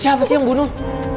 siapa sih yang bunuh